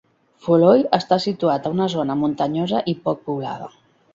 Foloi està situat a una zona muntanyosa i poc poblada.